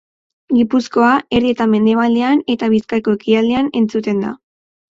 Gipuzkoa erdi eta mendebaldean eta Bizkaiko ekialdean entzuten da.